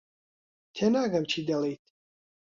تێناگەم چی دەڵێیت.